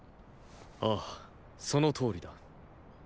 ああそのとおりだ。